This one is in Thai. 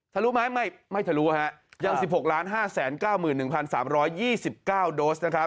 รู้ไหมไม่ทะลุยัง๑๖๕๙๑๓๒๙โดส